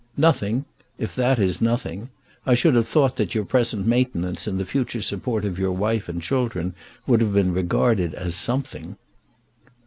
"Nothing; if that is nothing. I should have thought that your present maintenance and the future support of your wife and children would have been regarded as something."